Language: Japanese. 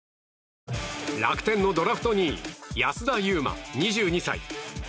楽天のドラフト２位安田悠馬、２２歳。